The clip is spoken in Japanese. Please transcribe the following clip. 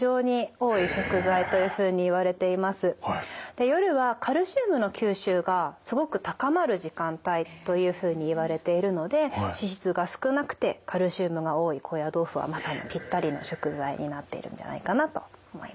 で夜はカルシウムの吸収がすごく高まる時間帯というふうにいわれているので脂質が少なくてカルシウムが多い高野豆腐はまさにピッタリの食材になっているんじゃないかなと思います。